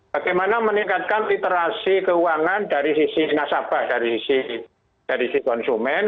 bagaimana meningkatkan literasi keuangan dari sisi nasabah dari sisi konsumen